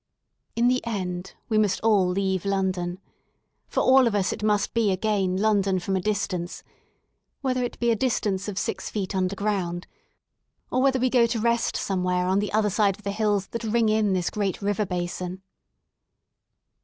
In the end we must all leave London ; for all of us it must be again London from a distance, whether it be a distance of six feet underground, or whether we go to rest somewhere on the other side of the hills that ring in this great river basin.